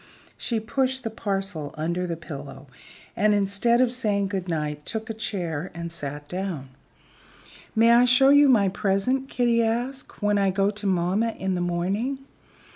She pushed the parcel under the pillow and, instead of saying good night, took a chair and sat down. "May I show my present," Kitty asked, "when I go to mamma in the morning?"